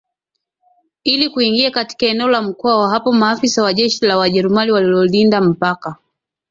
ili kuingia katika eneo la Mkwawa Hapo maafisa wa jeshi la Wajerumani waliolinda mpaka